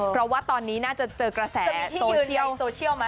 เพราะว่าตอนนี้น่าจะเจอกระแสโซเชียลจะมีที่อยู่ในโซเชียลมั้ย